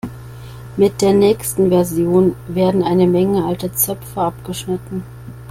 Mit der nächsten Version werden eine Menge alte Zöpfe abgeschnitten.